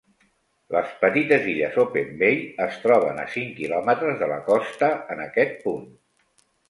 Les petites illes Open Bay es troben a cinc quilòmetres de la costa en aquest punt.